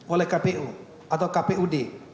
oleh kpu atau kpud